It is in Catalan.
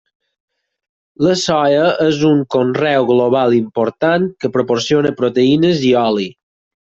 La soia és un conreu global important que proporciona proteïnes i oli.